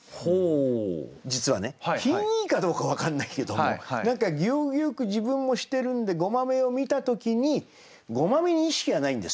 品いいかどうか分かんないけども何か行儀良く自分もしてるんでごまめを見た時にごまめに意識はないんですよ。